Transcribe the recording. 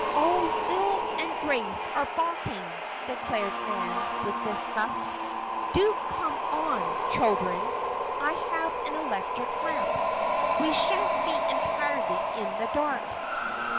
"Oh, Lil and Grace are balking," declared Nan, with disgust. "Do come on, children. I have an electric lamp. We sha'n't be entirely in the dark."